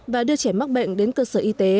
và đưa trẻ mắc bệnh đến cơ sở y tế